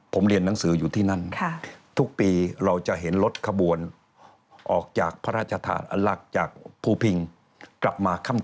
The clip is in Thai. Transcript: ผมเรียนหนังสืออยู่ที่นั่นทุกปีเราจะเห็นรถขบวนออกจากพระราชทานอันหลักจากภูพิงกลับมาค่ำ